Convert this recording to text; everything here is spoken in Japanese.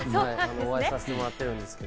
お会いさせてもらってるんですけど。